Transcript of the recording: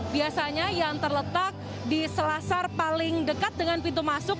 biasanya yang terletak di selasar paling dekat dengan pintu masuk